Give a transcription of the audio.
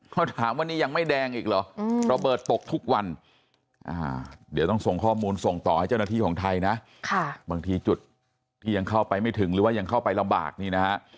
เขาถามวันนี้ยังไม่แดงอีกหรอระเบิดตกทุกวัน